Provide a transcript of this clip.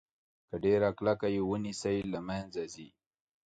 که ډیره کلکه یې ونیسئ له منځه ځي.